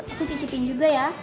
aku cicipin juga ya